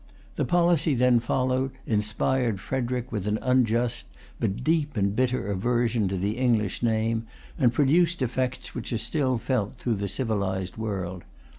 The policy then followed inspired Frederic with an unjust, but deep and bitter aversion to the English name, and produced effects which are still felt throughout the civilized world.